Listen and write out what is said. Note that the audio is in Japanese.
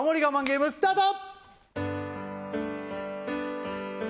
ゲームスタート！